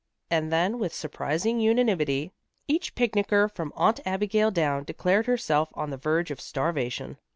And then with surprising unanimity, each picnicker from Aunt Abigail down, declared herself on the verge of starvation.